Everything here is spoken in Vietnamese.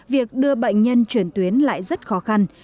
việc đưa bệnh nhân chuyển tuyến lại rất khó khăn